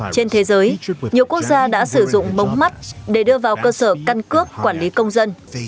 trên thế giới nhiều quốc gia đã sử dụng mống mắt để đưa vào cơ sở căn cước quản lý công dân